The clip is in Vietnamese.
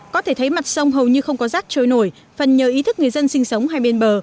có thể thấy mặt sông hầu như không có rác trôi nổi phần nhờ ý thức người dân sinh sống hai bên bờ